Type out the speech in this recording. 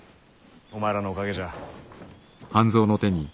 お前らのおかげじゃ。